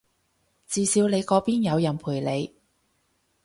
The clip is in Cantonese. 至少你嗰邊有人陪你